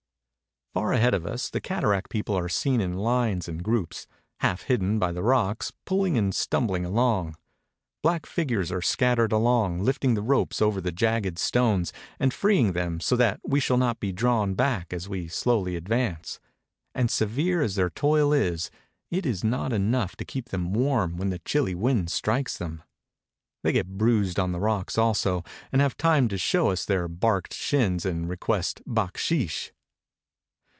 Far ahead of us the cataract people are seen in lines and groups, half hidden by the rocks, pulling and stum bling along; black figures are scattered along lifting the ropes over the jagged stones, and freeing them so that we shall not be drawn back, as we slowly advance ; and severe as their toil is, it is not enough to keep them warm when the chilly wind strikes them. They get bruised on the rocks also, and have time to show us their barked shins and request backsheesh.